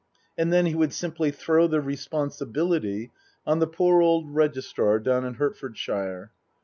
And then he would simply throw the responsibility on the poor old Registrar down in Hertfordshire.